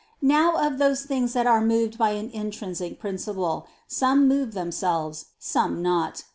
Now of those things that are moved by an intrinsic principle, some move themselves, some not.